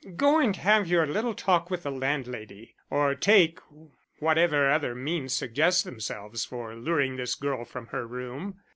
"Go and have your little talk with the landlady or take whatever other means suggest themselves for luring this girl from her room.